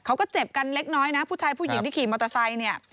เจ็บกันเล็กน้อยนะผู้ชายผู้หญิงที่ขี่มอเตอร์ไซค์เนี่ย